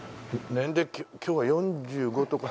年齢今日は４５とか。